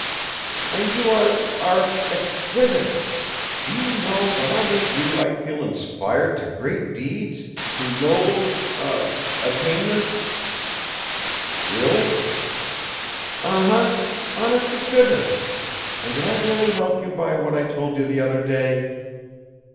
"And you are are exquisite! Do you know, when I'm with you, I feel inspired to great deeds to noble er attainments." "Really?" "Uh huh! Honest to goodness. And did I really help you by what I told you the other day?"